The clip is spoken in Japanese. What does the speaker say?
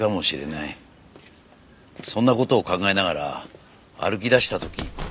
そんな事を考えながら歩き出した時。